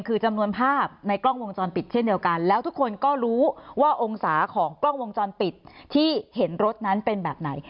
คือจำนวนภาพในกล้องวงจรปิดเช่นเดียวกันแล้วทุกคนก็รู้ว่าองศาของกล้องวงจรปิดที่เห็นรถนั้นเป็นแบบไหน